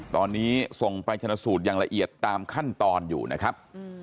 ตอนนี้ส่งไปชนะสูตรอย่างละเอียดตามขั้นตอนอยู่นะครับ